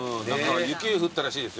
雪降ったらしいですよ。